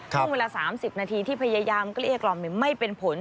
ช่วงเวลา๓๐นาทีที่พยายามเกลี้ยกล่อมไม่เป็นผล